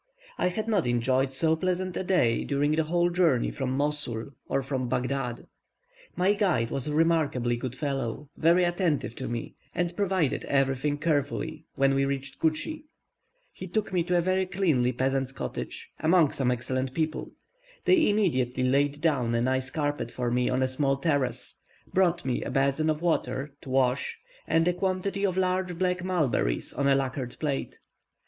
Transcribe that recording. I had not enjoyed so pleasant a day during the whole journey from Mosul, or from Baghdad. My guide was a remarkably good fellow, very attentive to me, and provided everything carefully when we reached Kutschie; he took me to a very cleanly peasant's cottage, among some excellent people; they immediately laid down a nice carpet for me on a small terrace, brought me a basin of water to wash, and a quantity of large black mulberries on a lacquered plate.